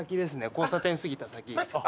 交差点過ぎた先。